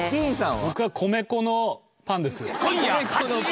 僕、米粉のパンです。